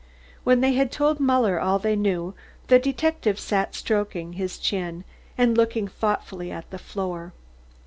When they had told Muller all they knew, the detective sat stroking his chin, and looking thoughtfully at the floor.